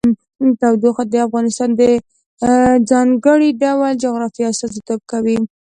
تودوخه د افغانستان د ځانګړي ډول جغرافیه استازیتوب کوي.